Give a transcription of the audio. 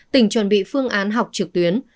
tỉnh chuẩn bị phương án học trực tuyến